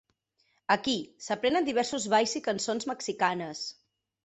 Aquí, s'aprenen diversos balls i cançons mexicanes.